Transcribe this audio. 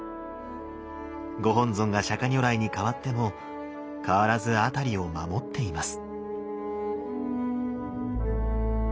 ご本尊が釈如来にかわってもかわらず辺りを守っています。